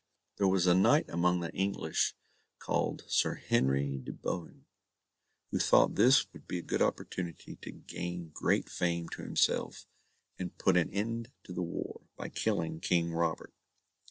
There was a knight among the English, called Sir Henry de Bohun, who thought this would be a good opportunity to gain great fame to himself, and put an end to the war, by killing King Robert.